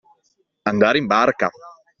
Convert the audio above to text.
Andare in barca.